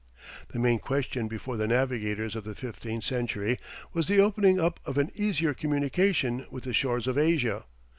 The main question before the navigators of the fifteenth century was the opening up of an easier communication with the shores of Asia.